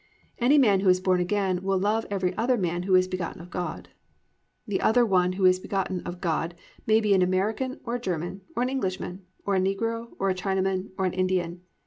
"+ Any man who is born again will love every other man who is begotten of God. The other one who is begotten of God may be an American or a German, or an Englishman, or a negro, or a Chinaman, or an Indian.